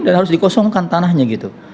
dan harus dikosongkan tanahnya gitu